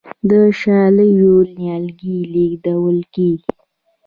د شالیو نیالګي لیږدول کیږي.